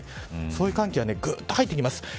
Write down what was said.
そういう寒気がぐっと入ってきます。